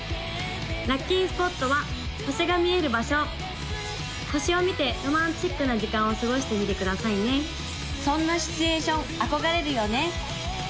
・ラッキースポットは星が見える場所星を見てロマンチックな時間を過ごしてみてくださいね・そんなシチュエーション憧れるよね